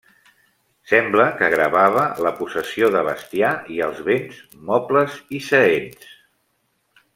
Sembla que gravava la possessió de bestiar i els béns mobles i seents.